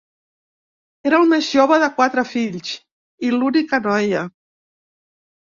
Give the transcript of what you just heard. Era la més jove de quatre fills i l'única noia.